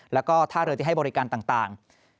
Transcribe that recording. แล้วก็ท่าเรือที่ให้บริการต่าง